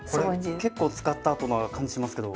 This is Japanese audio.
これ結構使ったあとな感じしますけど。